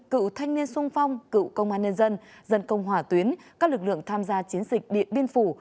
cựu thanh niên sung phong cựu công an nhân dân dân công hỏa tuyến các lực lượng tham gia chiến dịch điện biên phủ